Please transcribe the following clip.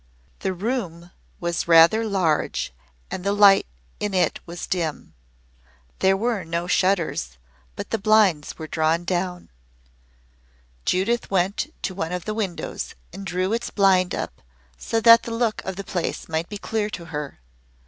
The room was rather large and the light in it was dim. There were no shutters, but the blinds were drawn down. Judith went to one of the windows and drew its blind up so that the look of the place might be clear to her.